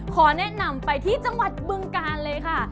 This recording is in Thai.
ขอแนะนำไปที่จังหวัดบึงกาลเลยค่ะ